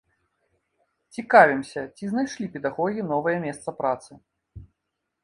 Цікавімся, ці знайшлі педагогі новае месца працы.